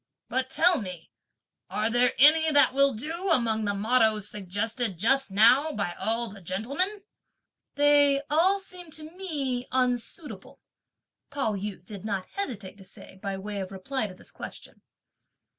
But tell me, are there any that will do among the mottoes suggested just now by all the gentlemen?" "They all seem to me unsuitable!" Pao yü did not hesitate to say by way of reply to this question.